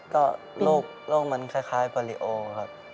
ก็โลกมันคล้ายฟอริโอครับ